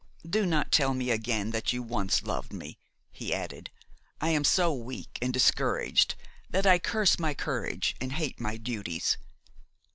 "Do not tell me again that you once loved me," he added; "I am so weak and discouraged that I curse my courage and hate my duties.